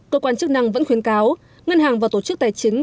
cơ quan chức năng vẫn khuyến cáo ngân hàng và tổ chức tài chính